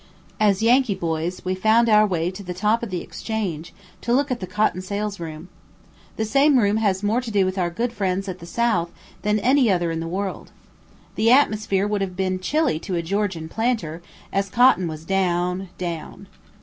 As Yankee boys, we found our way to the top of the Exchange, to look at the cotton sales room. This same room has more to do with our good friends at the south than any other in the world. The atmosphere would have been chilly to a Georgian planter, as cotton was down down.